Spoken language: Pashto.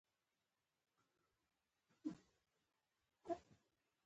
د بولدک ولسوالي تجارتي ګڼه ګوڼه لري.